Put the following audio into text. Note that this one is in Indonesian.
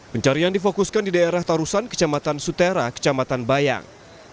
pencarian difokuskan di daerah tarusan kecamatan sutera kecamatan bayang